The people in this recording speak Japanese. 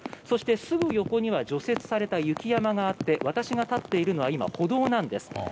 そして、すぐ横には除雪された雪山があって私が立っているのは歩道なんです。